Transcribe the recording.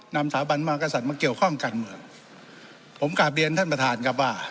สถาบันมากษัตริย์มาเกี่ยวข้องการเมืองผมกลับเรียนท่านประธานครับว่า